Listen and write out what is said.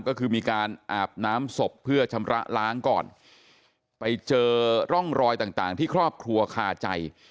ก็คือมีการอาบน้ำศพเพื่อชำระล้างก่อนไปเจอร่องรอยต่างต่างที่ครอบครัวคาใจ